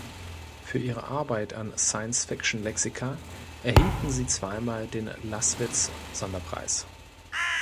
Für ihre Arbeit an Science-Fiction-Lexika erhielten sie zweimal den Laßwitz Sonderpreis.